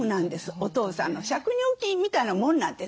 お父さんの借入金みたいなもんなんです。